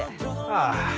ああ。